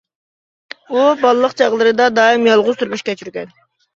ئۇ بالىلىق چاغلىرىدا دائىم يالغۇز تۇرمۇش كەچۈرگەن.